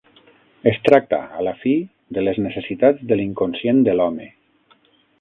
Es tracta, a la fi, de les necessitats de l’inconscient de l’home.